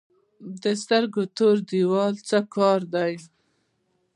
د سترګو تور دیوال څه کار کوي؟